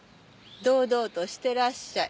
堂々としてらっしゃい。